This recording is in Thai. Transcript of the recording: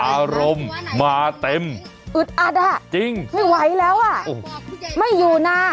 อารมณ์มาเต็มอึดอัดอ่ะจริงไม่ไหวแล้วอ่ะโอ้โหไม่อยู่นะ